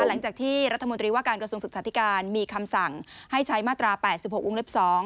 หลังจากที่รัฐมนตรีว่าการกระทรวงศึกษาธิการมีคำสั่งให้ใช้มาตรา๘๖วงเล็บ๒